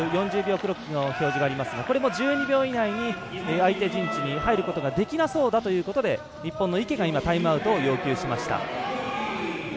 クロックの掲示がありますが表示がありますが、１２秒以内に相手陣地に入ることができなそうだということで日本の池がタイムアウトを要求しました。